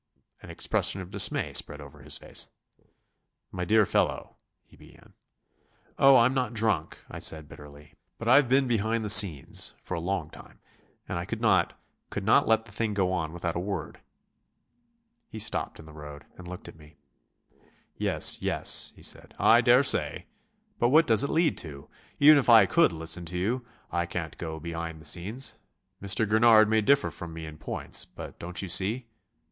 An expression of dismay spread over his face. "My dear fellow," he began. "Oh, I'm not drunk," I said bitterly, "but I've been behind the scenes for a long time. And I could not ... couldn't let the thing go on without a word." He stopped in the road and looked at me. "Yes, yes," he said, "I daresay.... But what does it lead to?... Even if I could listen to you I can't go behind the scenes. Mr. Gurnard may differ from me in points, but don't you see?..."